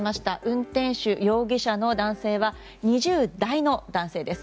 運転手、容疑者の男性は２０代の男性です。